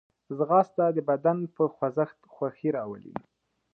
ځغاسته د بدن په خوځښت خوښي راولي